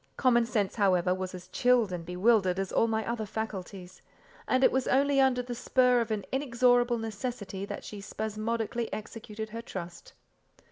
Common sense, however, was as chilled and bewildered as all my other faculties, and it was only under the spur of an inexorable necessity that she spasmodically executed her trust.